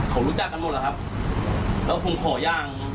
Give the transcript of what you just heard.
เขารู้จักกันหมดหรอครับแล้วผมขอย่าง